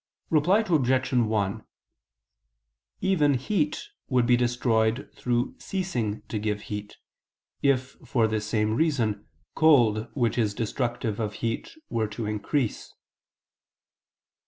Reply Obj. 1: Even heat would be destroyed through ceasing to give heat, if, for this same reason, cold which is destructive of heat were to increase.